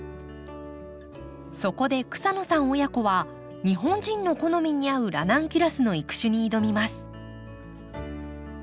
そこで草野さん親子は日本人の好みに合うラナンキュラスの育種に挑みます。